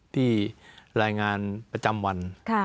ที่รายงานประจำวัน